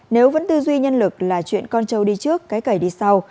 nếu vẫn tư duy nhân lực là chuyện con trâu đi trước cái cẩy đi sau